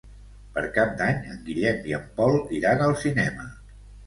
Per Cap d'Any en Guillem i en Pol iran al cinema.